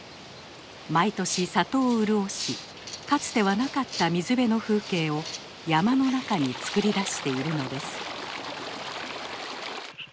毎年里を潤しかつてはなかった水辺の風景を山の中につくり出しているのです。